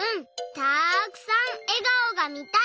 たくさんえがおがみたい。